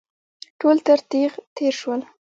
ټول تر تېغ تېر شول.